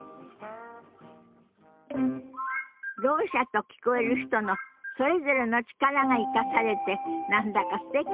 ろう者と聞こえる人のそれぞれの力が生かされて何だかすてきよね。